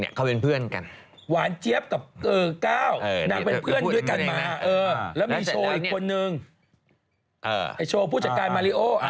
โชว์ผู้จัดการมาริโอ